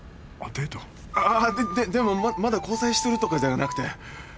あででもまだ交際してるとかではなくて。